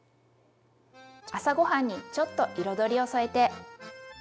朝ごはんにちょっと彩りを添えて。